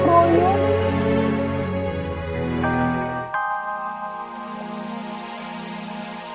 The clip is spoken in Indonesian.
tuhan yang menjaga saya